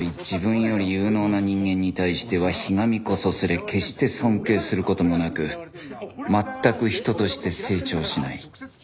自分より有能な人間に対してはひがみこそすれ決して尊敬する事もなく全く人として成長しない